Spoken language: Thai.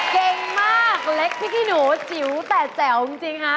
เก่งมากเล็กพี่ขี้หนูจิ๋วแต่แจ๋วจริงฮะ